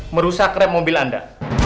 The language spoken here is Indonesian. merusak rem mobil anda